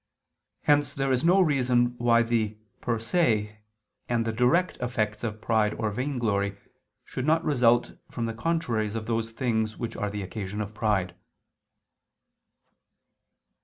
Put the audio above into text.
Hence there is no reason why the per se and direct effects of pride or vainglory, should not result from the contraries of those things which are the occasion of pride.